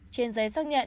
trên giấy xác nhận